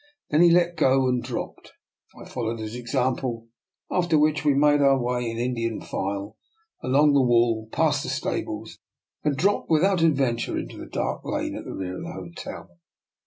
Then he let go and dropped. I followed his exam ple, after which we made our way in Indian file along the wall, passed the stables, and dropped without adventure into the dark lane at the rear of the hotel.